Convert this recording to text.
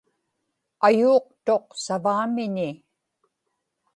ayuuqtuq savaamiñi